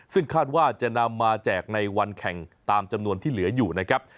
ซึ่งคาดว่าจะนำมาแจกในวันแข่งตามจำนวนที่เหลืออยู่นะครับ